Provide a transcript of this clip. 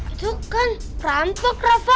itu kan rampok rafa